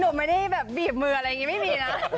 หนูไม่ได้แบบบีบมืออะไรอย่างนี้ไม่มีนะ